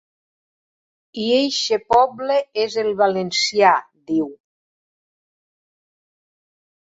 I eixe poble és el valencià, diu.